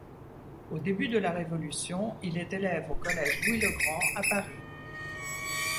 Aux débuts de la Révolution, il est élève au collège Louis-le-Grand à Paris.